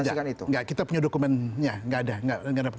tidak tidak kita punya dokumennya nggak ada nggak ada